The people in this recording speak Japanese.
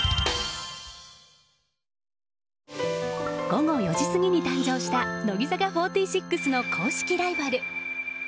午後４時過ぎに誕生した乃木坂４６の公式ライバル。